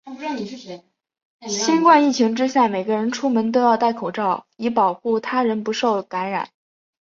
新冠疫情之下，每个人出门都要带口罩，以保护他人不受感染。